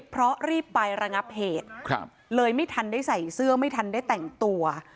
เพราะรีบไประงับเหตุเลยไม่ทันได้ใส่เสื้อไม่ทันได้แต่งตัว